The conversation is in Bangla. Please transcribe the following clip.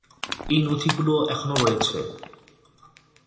এই নথিগুলো এখনও রয়েছে।